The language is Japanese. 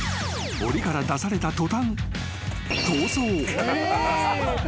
［おりから出された途端］